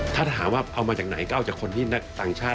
ถ้าถามว่าเอามาจากไหนก็เอาจากคนที่นักต่างชาติ